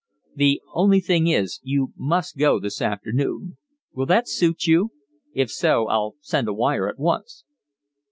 "The only thing is, you must go this afternoon. Will that suit you? If so, I'll send a wire at once."